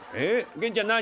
源ちゃん何？